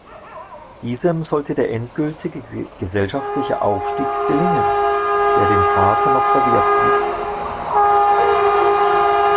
Diesem sollte der endgültige gesellschaftliche Aufstieg gelingen, der dem Vater noch verwehrt blieb.